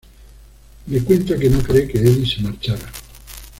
Le cuenta que no cree que Eddie se marchara.